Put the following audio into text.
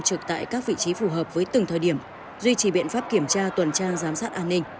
trực tại các vị trí phù hợp với từng thời điểm duy trì biện pháp kiểm tra tuần tra giám sát an ninh